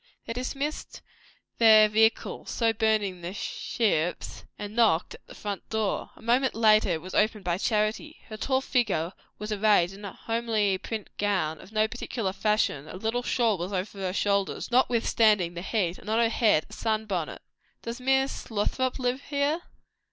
They dismissed their vehicle, so burning their ships, and knocked at the front door. A moment after it was opened by Charity. Her tall figure was arrayed in a homely print gown, of no particular fashion; a little shawl was over her shoulders, notwithstanding the heat, and on her head a sun bonnet. "Does Miss Lothrop live here?"